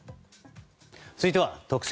続いては、特選！！